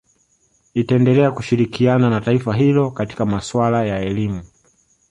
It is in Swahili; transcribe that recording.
Itaendelea kushirikiana na taifa hilo katika maswala ya elimu